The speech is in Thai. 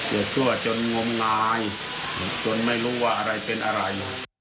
ชั่วจนงมงายจนไม่รู้ว่าอะไรเป็นอะไร